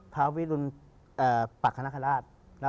ท้าววิรุณปากฮนฮราช